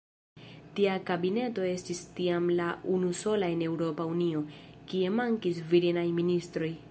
Tiu kabineto estis tiam la unusola en Eŭropa Unio, kie mankis virinaj ministroj.